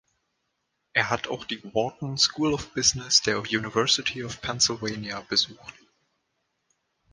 Er hat auch die Wharton School of Business der University of Pennsylvania besucht.